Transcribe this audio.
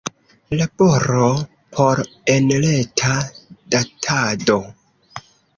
Laboro por enreta datado.